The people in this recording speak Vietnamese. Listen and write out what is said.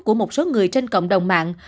của một số người trên cộng đồng mạng